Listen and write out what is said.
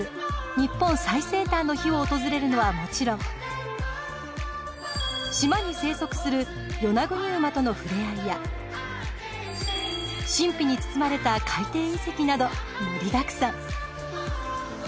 日本最西端の碑を訪れるのはもちろん島に生息するヨナグニウマとの触れ合いや神秘に包まれた海底遺跡など盛りだくさん。